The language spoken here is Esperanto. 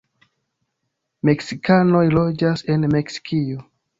Meksikanoj loĝas en Meksikio.